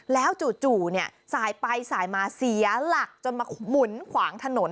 แล้วจู่สายไปสายมาเสียหลักจนมาหมุนขวางถนน